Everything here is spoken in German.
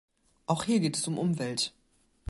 Auch hier geht es um Umwelt.